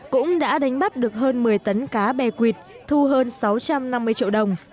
cũng đã đánh bắt được hơn một mươi tấn cá bè quỳt thu hơn sáu trăm năm mươi triệu đồng